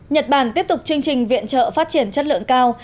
nhật bản tiếp tục chương trình viện trợ phát triển chất lượng cao